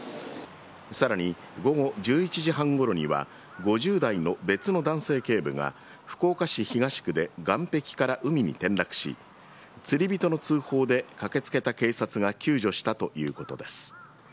さらに午後１１時半ごろには、５０代の別の男性警部が福岡市東区で岸壁から海に転落し、釣り人の通報で駆けつけた警察が救助したということです。